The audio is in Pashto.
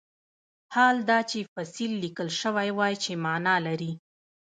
حال دا چې فصیل لیکل شوی وای چې معنی لري.